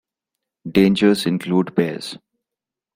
Dangers include bears.